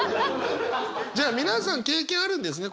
じゃあ皆さん経験あるんですね